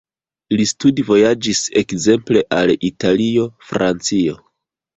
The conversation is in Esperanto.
Li studvojaĝis ekzemple al Italio, Francio.